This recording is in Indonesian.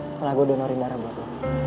setelah gue donorin darah buat lo